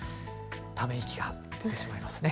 ため息が出てしまいますね。